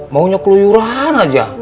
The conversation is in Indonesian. mau nyoklo duruan aja